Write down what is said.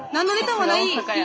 はい。